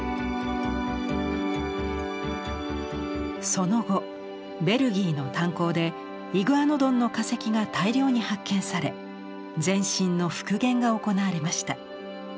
その後ベルギーの炭鉱でイグアノドンの化石が大量に発見され全身の復元が行われました。